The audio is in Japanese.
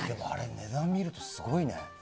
値段を見るとすごいね。